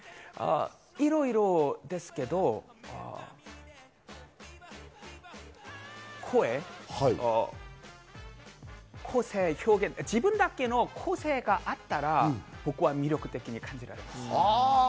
いろいろですけど、声、個性、表現、自分だけの個性があったら僕は魅力的に感じられます。